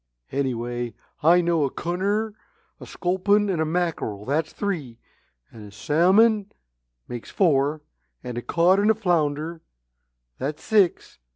"Anyway, I know a cunner, a sculpin, and a mackerel that's three. And a salmon, makes four, and a cod and a flounder, that's six.